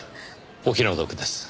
お気の毒です。